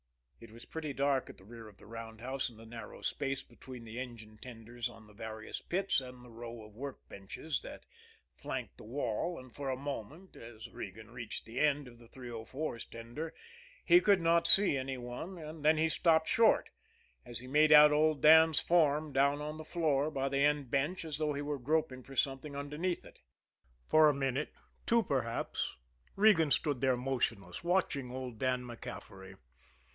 It was pretty dark at the rear of the roundhouse in the narrow space between the engine tenders on the various pits and the row of workbenches that flanked the wall, and for a moment, as Regan reached the end of the 304's tender, he could not see any one and then he stopped short, as he made out old Dan's form down on the floor by the end bench as though he were groping for something underneath it. For a minute, two perhaps, Regan stood there motionless, watching old Dan MacCaffery.